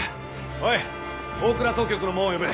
おい大蔵当局のもんを呼べ。